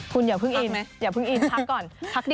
คุณอย่าเพิ่งอินถักก่อน